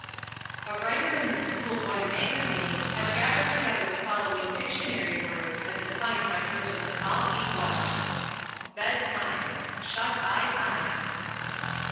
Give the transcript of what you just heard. A writer in the "School boy Magazine" has gathered together the following dictionary words as defined by certain small people: Bed time Shut eye time.